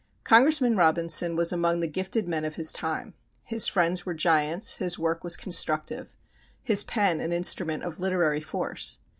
Congressman Robinson was among the gifted men of his time. His friends were giants, his work was constructive, his pen an instrument of literary force.